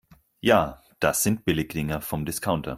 Ja, das sind Billigdinger vom Discounter.